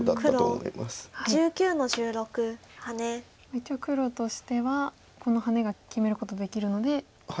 一応黒としてはこのハネが決めることできるのでまあ満足と。